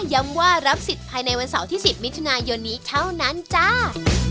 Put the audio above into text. ย้ำว่ารับสิทธิ์ภายในวันเสาร์ที่๑๐มิถุนายนนี้เท่านั้นจ้า